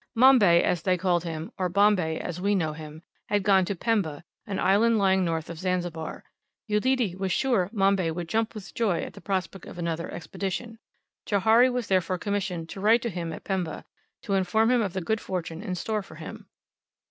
Mombay, as they called him, or Bombay, as we know him, had gone to Pemba, an island lying north of Zanzibar. Uledi was sure Mombay would jump with joy at the prospect of another expedition. Johari was therefore commissioned to write to him at Pemba, to inform him of the good fortune in store for him.